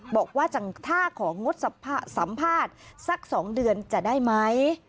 บอกว่าถ้าของงดสัมภาษณ์สัก๒เดือนจะได้ไหม